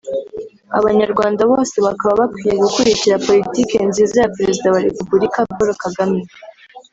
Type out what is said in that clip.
abanyarwanda bose bakaba bakwiye gukurikira Politiki nziza ya Perezida wa Repubulika Paul Kagame